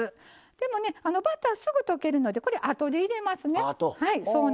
でも、バターすぐ溶けるのでこれ、あとで入れますね。